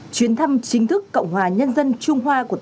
chuyến thăm chính thức cộng hòa nhân dân trung hoa của tập cận bình